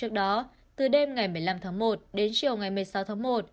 trước đó từ đêm ngày một mươi năm tháng một đến chiều ngày một mươi sáu tháng một